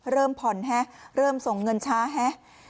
เริ่มผ่อนฮะเริ่มส่งเงินช้าฮะ